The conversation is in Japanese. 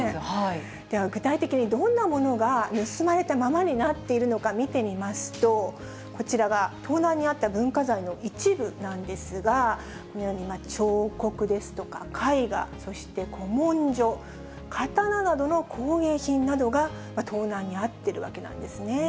具体的にどんなものが盗まれたままになっているのか見てみますと、こちらが盗難に遭った文化財の一部なんですが、このように彫刻ですとか、絵画、そして、古文書、刀などの工芸品などが盗難に遭っているわけなんですね。